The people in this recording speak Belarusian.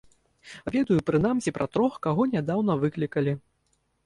Ведаю прынамсі пра трох, каго нядаўна выклікалі.